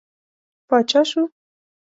پاچا شو.